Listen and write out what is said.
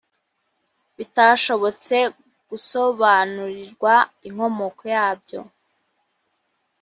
bitashobotse gusobanurirwa inkomoko yabyo